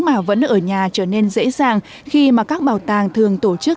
mà vẫn ở nhà trở nên dễ dàng khi mà các bảo tàng thường tổ chức